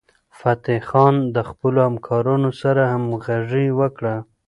فتح خان د خپلو همکارانو سره همغږي وکړه.